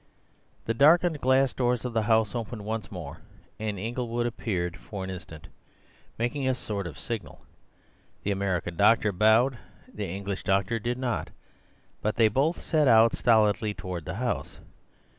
The darkened glass doors of the house opened once more, and Inglewood appeared for an instant, making a sort of signal. The American doctor bowed, the English doctor did not, but they both set out stolidly towards the house.